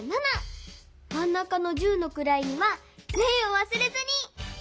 まん中の十のくらいには「０」をわすれずに！